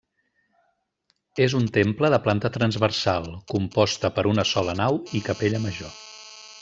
És un temple de planta transversal composta per una sola nau i capella major.